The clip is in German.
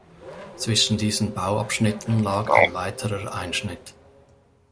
Zwischen diesen Bauabschnitten lag ein weiterer Einschnitt.